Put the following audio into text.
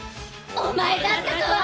お前だったとは！